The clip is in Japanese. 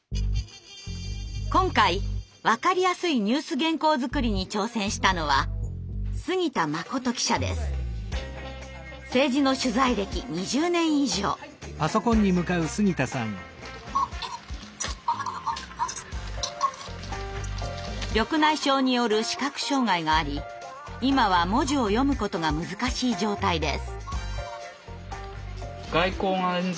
今回わかりやすいニュース原稿づくりに挑戦したのは緑内障による視覚障害があり今は文字を読むことが難しい状態です。